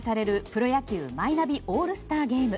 プロ野球マイナビオールスターゲーム。